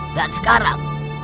aku akan datang ke rumahmu